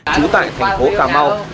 trú tại thành phố cà mau